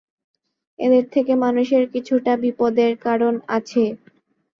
এদের থেকে মানুষের কিছুটা বিপদের কারণআছে।